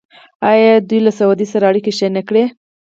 آیا دوی له سعودي سره اړیکې ښې نه کړې؟